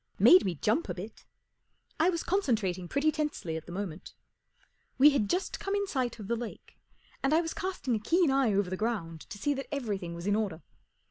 Made me jump a bit. I was concentrating pretty tensely at the moment. We had just come in sight of the lake, and I was casting a keen eye over the ground to see that everything was in order.